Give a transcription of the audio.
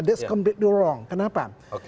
itu benar benar salah kenapa